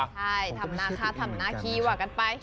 ใช่ทำนาคาทำนาคีว่ากันไป